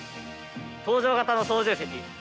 搭乗型の操縦席。